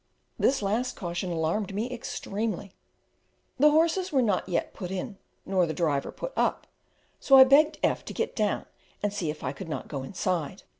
This last caution alarmed me extremely. The horses were not yet put in, nor the driver put up, so I begged F to get down and see if I could not go inside.